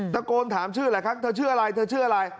ตะโกนถามชื่อหลายครั้งเธอชื่ออะไรเธอชื่ออะไร